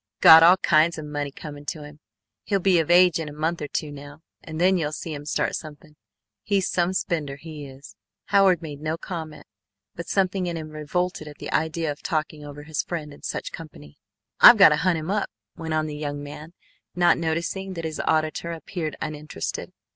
Got all kinds of money coming to him. He'll be of age in a month or two now, and then you'll see him start something! He's some spender, he is." Howard made no comment, but something in him revolted at the idea of talking over his friend in such company. "I've got to hunt him up," went on the young man, not noticing that his auditor appeared uninterested.